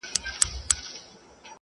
یو موږک دی چي په نورو نه ګډېږي,